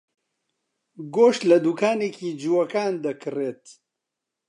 گۆشت لە دوکانێکی جووەکان دەکڕێت.